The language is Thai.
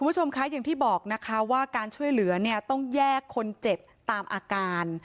คุณผู้ชมคะอย่างที่บอกนะคะว่าการช่วยเหลือเนี่ยต้องแยกคนเจ็บตามอาการ